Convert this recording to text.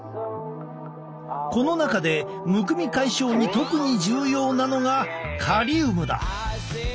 この中でむくみ解消に特に重要なのがカリウムだ。